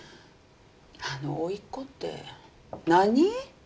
あの甥っ子って何？